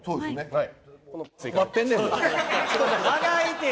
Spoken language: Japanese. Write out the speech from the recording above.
はい。